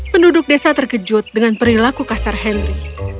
penduduk desa terkejut dengan perilaku kasar henry